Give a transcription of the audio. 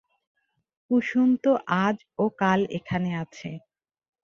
কুসুম তো আজ ও কাল এখানে আছে।